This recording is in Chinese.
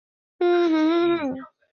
北尚是弟弟。